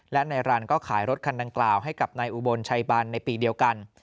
และนายรันก็ขายรถคันดังกล่าวให้กับนายอุบลชัยบันในปีเดียวกัน